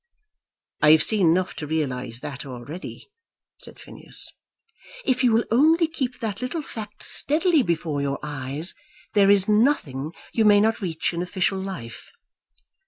"I have seen enough to realise that already," said Phineas. "If you will only keep that little fact steadily before your eyes, there is nothing you may not reach in official life.